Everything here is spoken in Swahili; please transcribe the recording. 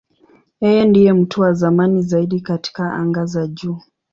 Yeye ndiye mtu wa zamani zaidi katika anga za juu.